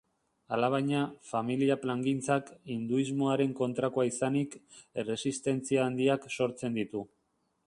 Alabaina, familia plangintzak, hinduismoaren kontrakoa izanik, erresistentzia handiak sortzen ditu.